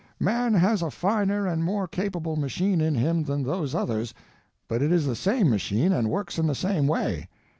Man has a finer and more capable machine in him than those others, but it is the same machine and works in the same way.